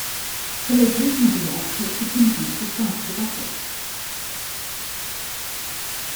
The location of the wreck helps to pinpoint the site of the battle.